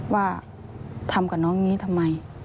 ว่าทำกับน้องนี้ทำไม